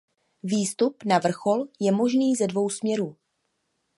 Výstup na vrchol je možný ze dvou směrů.